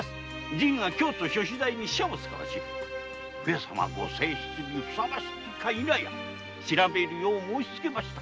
じぃが京都所司代に使者を遣わし上様ご正室にふさわしいか否やを調べるよう申しつけました。